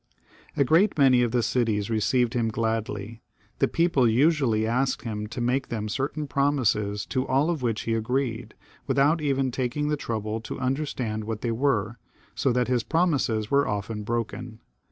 A great many of the cities received him gladly ; the people usually asked him to make them certain promises, to all of which he agreed, without even taking the trouble to understand what they were, so that his promises were 228 CHARLES VIII. [ch. often broken.